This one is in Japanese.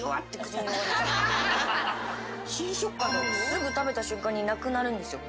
すぐ食べた瞬間になくなるんですよ。